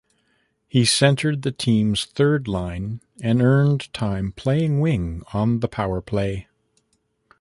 He centred the team's third line and earned time playing wing on the powerplay.